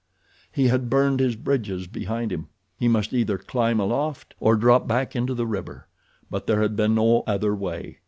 He had burned his bridges behind him. He must either climb aloft or drop back into the river; but there had been no other way.